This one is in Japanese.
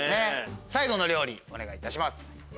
最後の料理お願いいたします。